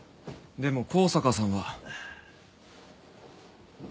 でも向坂さんは。